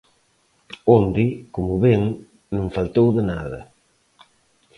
Onde, como ven, non faltou de nada.